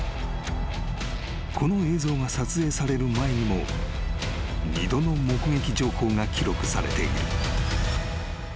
［この映像が撮影される前にも二度の目撃情報が記録されている］